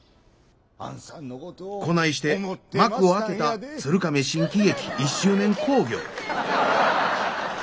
こないして幕を開けた鶴亀新喜劇１周年興行。